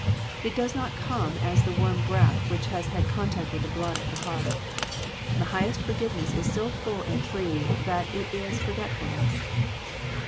It does not come as the warm breath which has had contact with the blood of the heart. The highest forgive ness is so full and free, that it is forget f ulness.